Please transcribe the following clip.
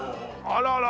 あららら。